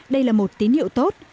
đây là một tín hiệu tốt